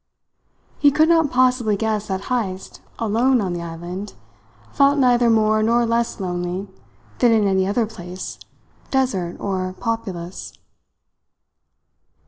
He could not possibly guess that Heyst, alone on the island, felt neither more nor less lonely than in any other place, desert or populous.